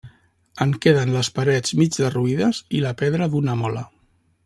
En queden les parets mig derruïdes i la pedra d'una mola.